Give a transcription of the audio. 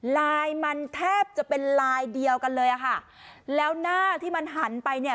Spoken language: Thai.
ลายมันแทบจะเป็นลายเดียวกันเลยอ่ะค่ะแล้วหน้าที่มันหันไปเนี่ย